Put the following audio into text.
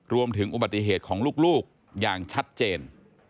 รวมถึงอุบัติเหตุของลูกอย่างชัดเจน